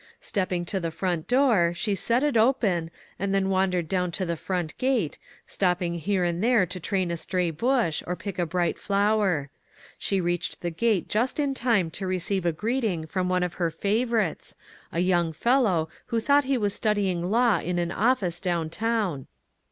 Stepping to the front door, she set it open, and then wandered down to the front gate, stopping here and there to train a stray bush, or pick a bright flower. She reached the gate just in time to receive a greeting from one of her favorites, a young fellow, who thought he was studying law in an office down town.